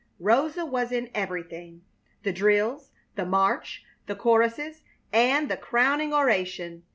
Rosa was in everything the drills, the march, the choruses, and the crowning oration.